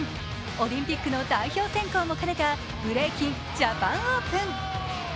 オリンピックの代表選考も兼ねたブレイキン・ジャパンオープン。